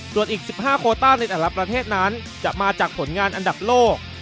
ส่วนอีก๑๕โคต้าในแต่ละประเทศนั้นจะมาจากผลงานอันดับโลก